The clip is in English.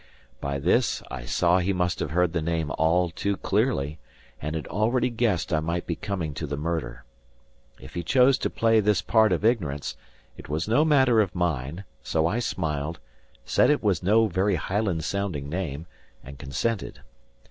By this, I saw he must have heard the name all too clearly, and had already guessed I might be coming to the murder. If he chose to play this part of ignorance, it was no matter of mine; so I smiled, said it was no very Highland sounding name, and consented.